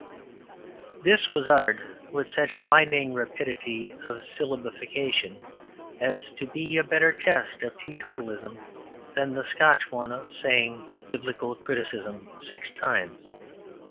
This was uttered with such blinding rapidity of syllabification as to be a better test of teetotalism than the Scotch one of saying "Biblical criticism" six times.